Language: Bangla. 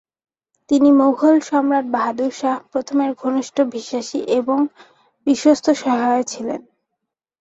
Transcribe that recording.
তিনি মোগল সম্রাট বাহাদুর শাহ প্রথমের ঘনিষ্ঠ বিশ্বাসী এবং বিশ্বস্ত সহায় ছিলেন।